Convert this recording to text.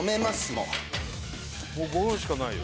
もう５分しかないよ。